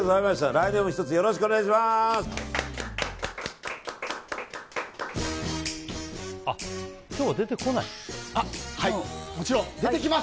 来年も１つよろしくお願いします。